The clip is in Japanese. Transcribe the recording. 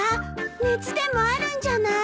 熱でもあるんじゃない？